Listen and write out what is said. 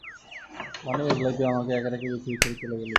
মানিমেগলাই, তুই আমাকে একা রেখে পৃথিবী থেকে চলে গেলি।